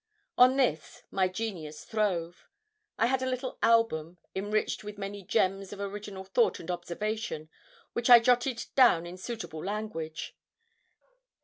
On this, my genius throve. I had a little album, enriched with many gems of original thought and observation, which I jotted down in suitable language.